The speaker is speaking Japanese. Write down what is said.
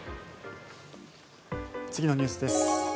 次のニュースです。